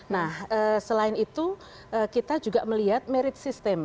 nah selain itu kita juga melihat merit system